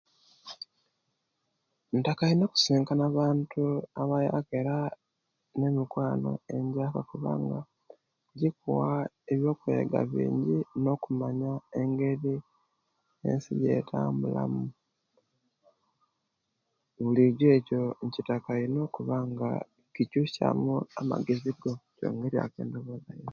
Ntaka ino okuyisinkana abantu abayaka era ne'mikwano enjaka kubanga jikuwa ebiyokwega binji nokumanya engeri ensi ejetambulamu bulijo ekyo inkitaka ino kubanga kikyusya mu amagezi go